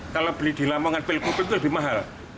kalau beli di lamongan pil kopi itu lebih mahal